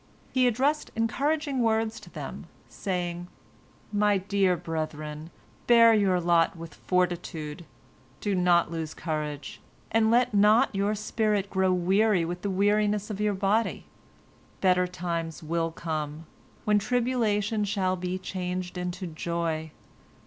He addressed encouraging words to them, saying: "My dear brethren, bear your lot with fortitude! Do not lose courage, and let not your spirit grow weary with the weariness of your body. Better times will come, when tribulation shall be changed into joy.